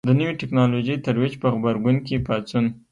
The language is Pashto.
د نوې ټکنالوژۍ ترویج په غبرګون کې پاڅون.